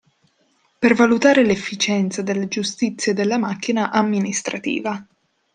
Per valutare l'efficienza della giustizia e della macchina amministrativa.